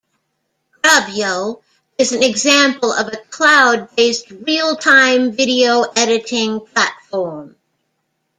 Grabyo is an example of a cloud-based real-time video editing platform.